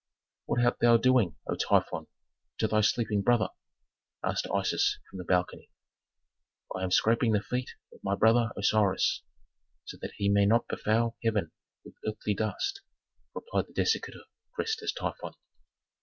"What art thou doing, O Typhon, to thy sleeping brother?" asked Isis from the balcony. "I am scraping the feet of my brother Osiris, so that he may not befoul heaven with earthly dust," replied the dissector dressed as Typhon.